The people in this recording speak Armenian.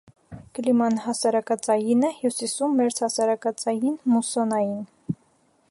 Կլիման հասարակածային է, հյուսիսում՝ մերձհասարակածային, մուսսոնային։